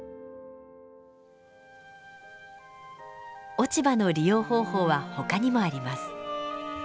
落ち葉の利用方法は他にもあります。